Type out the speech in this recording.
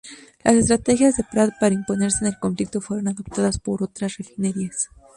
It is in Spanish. Las estrategias de Pratt para imponerse en el conflicto fueron adoptadas por otras refinerías.